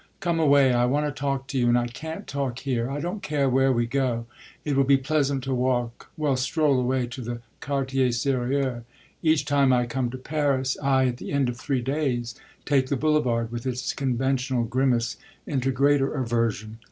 "Come away; I want to talk to you and I can't talk here. I don't care where we go. It will be pleasant to walk; well stroll away to the quartiers sérieux. Each time I come to Paris I at the end of three days take the Boulevard, with its conventional grimace, into greater aversion.